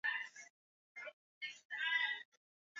Ugonjwa wa kimeta huathiri ngamia na kondoo